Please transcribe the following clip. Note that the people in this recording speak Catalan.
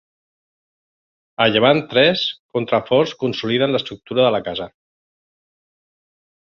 A llevant tres contraforts consoliden l'estructura de la casa.